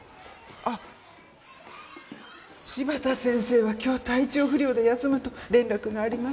あっ柴田先生は今日体調不良で休むと連絡がありまして。